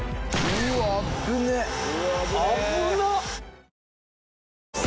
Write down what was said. うわ危ねえ。